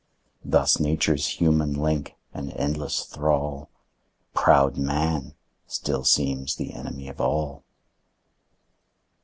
Thus nature's human link and endless thrall, Proud man, still seems the enemy of all.